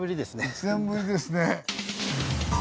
１年ぶりですね。